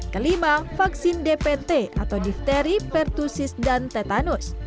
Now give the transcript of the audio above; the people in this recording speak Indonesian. kelima vaksin dpt atau difteri pertusis dan tetanus